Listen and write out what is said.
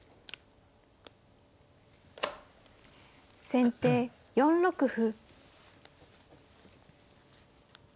先手４六歩。